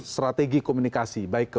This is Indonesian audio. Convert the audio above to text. strategi komunikasi baik ke